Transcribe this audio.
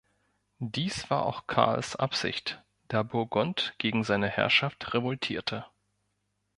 Dies war auch Karls Absicht, da Burgund gegen seine Herrschaft revoltierte.